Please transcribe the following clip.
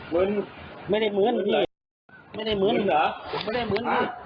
มึนไม่ได้มึนพี่มึนเหรอผมไม่ได้มึน